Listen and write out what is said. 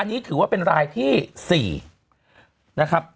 อันนี้ถือว่าเป็นรายที่๔นะครับ